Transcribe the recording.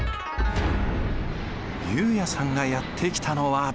悠也さんがやって来たのは。